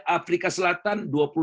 afrika selatan dua